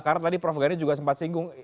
karena tadi prof gani juga sempat singgung